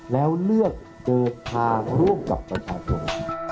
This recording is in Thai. แล้วเลือกเจอภาคร่วมกับประชาปุ่น